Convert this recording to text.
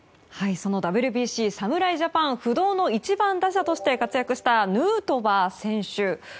そのＷＢＣ、侍ジャパン不動の１番打者として活躍したヌートバー選手。